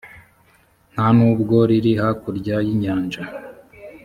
nta n’ubwo riri hakurya y’inyanja,